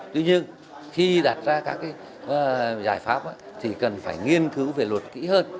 tuy nhiên khi đặt ra các giải pháp thì cần phải nghiên cứu về luật kỹ hơn